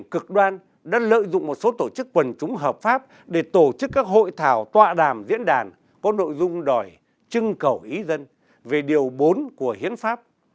các hội chính trị có quan điểm cực đoan đã lợi dụng một số tổ chức quần chúng hợp pháp để tổ chức các hội thảo tọa đàm diễn đàn có nội dung đòi chưng cầu ý dân về điều bốn của hiến pháp